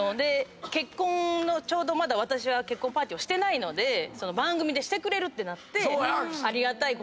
結婚のちょうどまだ私は結婚パーティーをしてないので番組でしてくれるってなってありがたいことなんですけど。